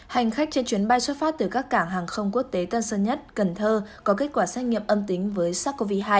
hành khách trên chuyến bay xuất phát từ các cảng hàng không quốc tế tân sơn nhất cần thơ có kết quả xét nghiệm âm tính với sars cov hai